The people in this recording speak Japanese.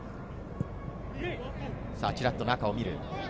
チラっと中を見る。